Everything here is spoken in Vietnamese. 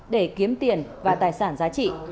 để kiếm tiền và tài sản giá trị